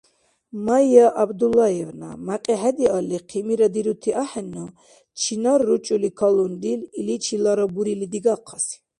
Майя ГӀябдуллаевна, мякьи хӀедиалли, хъимира дирути ахӀенну, чинар ручӀули калунрил, иличилара бурили дигахъаси.